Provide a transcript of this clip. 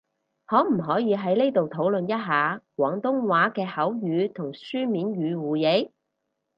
可唔可以喺呢度討論一下，廣東話嘅口語同書面語互譯？